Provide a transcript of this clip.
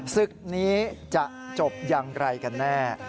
ศึกนี้จะจบอย่างไรกันแน่